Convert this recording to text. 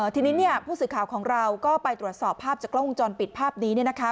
ทีนี้เนี่ยผู้สื่อข่าวของเราก็ไปตรวจสอบภาพจากกล้องวงจรปิดภาพนี้เนี่ยนะคะ